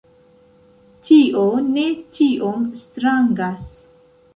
Tio ne tiom strangas.